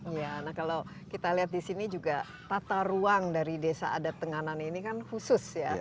ya kalau kita lihat disini juga tata ruang dari desa adat tenganan ini kan khusus ya